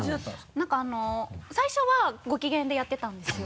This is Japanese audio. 何か最初はご機嫌でやってたんですよ。